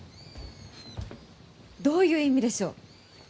どういう意味でしょう？